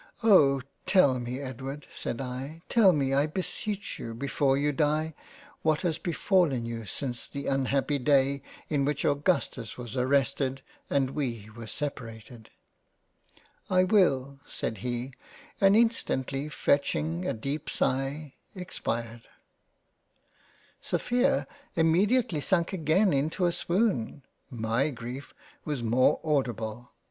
" Oh ! tell me Edward (said I) tell me I beseech you before you die, what has befallen you since that unhappy Day in which Augustus was arrested and we were separated —"" I will " (said he) and instantly fetching a deep sigh, Expired —. Sophia immediately sunk again into a swoon —. My greif was more audible.